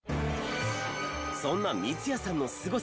そんな三ツ矢さんのスゴさ